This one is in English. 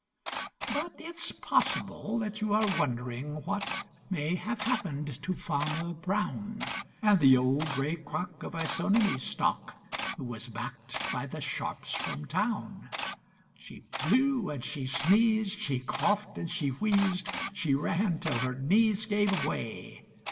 But it's possible that you are wondering what May have happened to Farmer Brown, And the old gray crock of Isonomy stock Who was backed by the sharps from town. She blew and she sneezed, she coughed and she wheezed, She ran till her knees gave way.